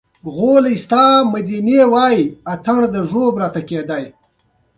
د نندارې او مېلمه ښکلا یې غبرګه کړې.